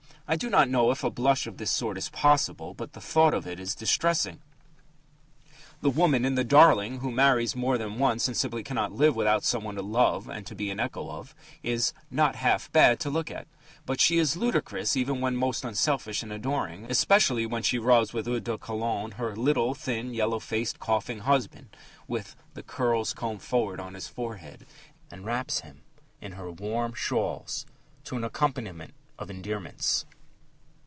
I do not know if a blush of this sort is possible, but the thought of it is distressing. The woman in The Darling, who marries more than once and simply cannot live without some one to love and to be an echo to, is "not half bad" to look at. But she is ludicrous even when most unselfish and adoring especially when she rubs with eau de Cologne her little, thin, yellow faced, coughing husband with "the curls combed forward on his forehead," and wraps him in her warm shawls to an accompaniment of endearments.